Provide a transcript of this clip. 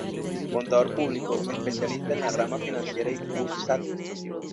Contador público, especialista en la rama financiera y bursátil.